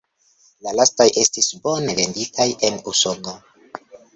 La lastaj estis bone venditaj en Usono.